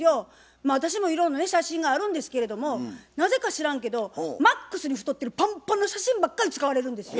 まあ私もいろんなね写真があるんですけれどもなぜか知らんけどマックスに太ってるパンパンの写真ばっかり使われるんですよ。